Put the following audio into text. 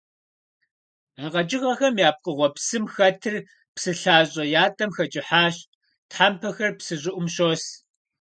А къэкӀыгъэхэм я пкъыгъуэу псым хэтыр псы лъащӀэ ятӀэм хэкӀыхьащ, тхьэмпэхэр псы щӀыӀум щос.